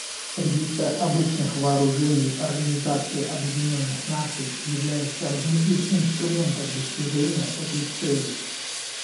Регистр обычных вооружений Организации Объединенных Наций является одним из инструментов достижения этой цели.